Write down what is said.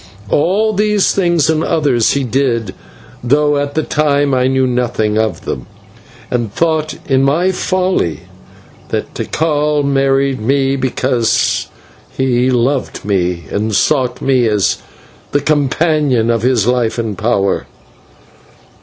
All these things and others he did, though at that time I knew nothing of them, and thought in my folly that Tikal married me because he loved me, and sought me as the companion of his life and power.